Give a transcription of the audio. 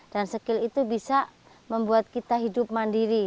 dan skill itu bisa membuat kita hidup mandiri